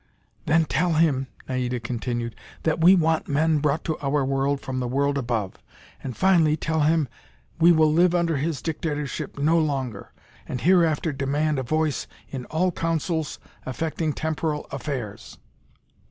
"Then tell him," Naida continued, "that we want men brought to our world from the world above. And finally tell him we will live under his dictatorship no longer, and hereafter demand a voice in all councils affecting temporal affairs."